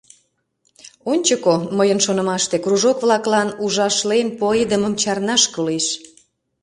Ончыко, мыйын шонымаште, кружок-влаклан ужашлен пуэдымым чарнаш кӱлеш.